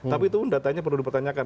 tapi itu pun datanya perlu dipertanyakan